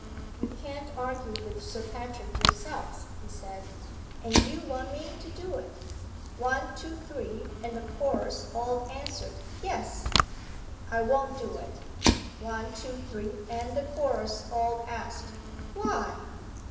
"You can't argue with Sir Patrick yourselves," he said, "and you want me to do it?" One, Two, Three, and the Chorus all answered, "Yes." "I won't do it." One, Two, Three, and the Chorus all asked, "Why?"